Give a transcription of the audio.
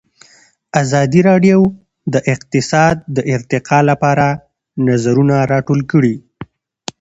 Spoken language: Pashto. ازادي راډیو د اقتصاد د ارتقا لپاره نظرونه راټول کړي.